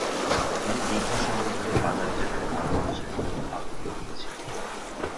তিনি দীর্ঘ সময় ধরে বাঙালি জাতির আলোর দিশারি হয়ে আলো বিলিয়ে গেছেন।